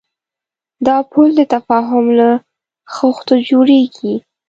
دا پُل د تفاهم له خښتو جوړېږي.